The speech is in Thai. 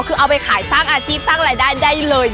คือเอาไปขายสร้างอาชีพสร้างรายได้ได้เลย